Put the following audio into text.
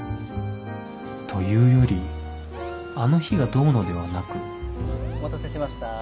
というよりあの日がどうのではなくお待たせしました。